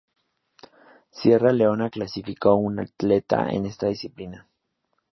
Sierra Leona clasificó a un atleta en esta disciplina.